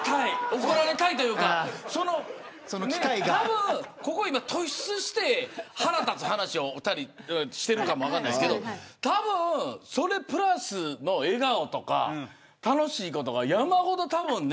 怒られたいというかたぶん、ここ今、突出して腹立つ話をしてるかも分かりませんけどたぶん、それプラスの笑顔とか楽しいことが山ほどね。